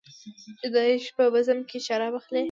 چې د عیش په بزم کې شراب اخلې.